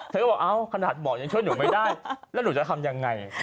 เธอก็บอกเอ้าขนาดหมอยังช่วยหนูไม่ได้แล้วหนูจะทำยังไง